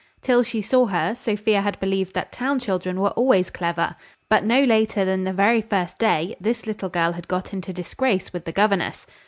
Till she saw her, Sophia had believed that town children were always clever: but no later than the very first day, this little girl had got into disgrace with the governess.